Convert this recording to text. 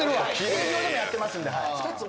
営業でもやってますんで。